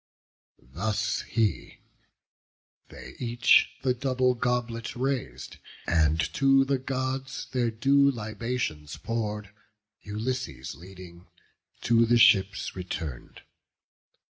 Thus he: they each the double goblet rais'd, And, to the Gods their due libations pour'd, Ulysses leading, to the ships return'd.